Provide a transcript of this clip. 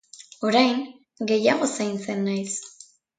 Orain, gehiago zaintzen naiz.